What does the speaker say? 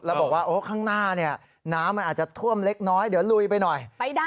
แล้วบอกว่าโอ้ข้างหน้าเนี่ยน้ำมันอาจจะท่วมเล็กน้อยเดี๋ยวลุยไปหน่อย